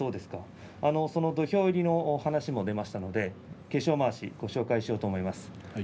その土俵入りの話も出ましたので化粧まわしをご紹介しようと思います。